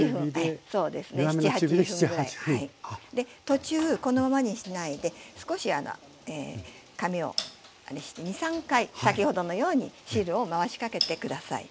途中このままにしないで少しあの紙をあれして２３回先ほどのように汁を回しかけて下さい。